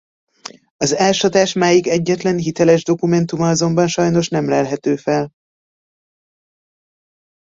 Az ásatás máig egyetlen hiteles dokumentuma azonban sajnos nem lelhető fel.